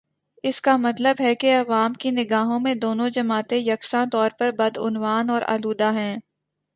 اس کا مطلب ہے کہ عوام کی نگاہوں میں دونوں جماعتیں یکساں طور پر بدعنوان اور آلودہ ہیں۔